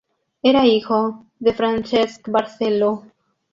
Era hijo de Francesc Barceló.